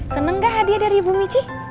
senang nggak hadiah dari ibu mici